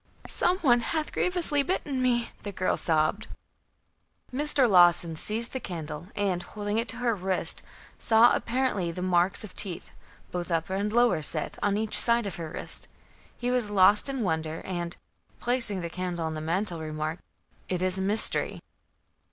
"Some one hath grievously bitten me!" the girl sobbed. Mr. Lawson seized the candle and, holding it to her wrist, saw apparently the marks of teeth, both upper and lower set, on each side of her wrist. He was lost in wonder and, placing the candle on the mantel, remarked: "It is a mystery."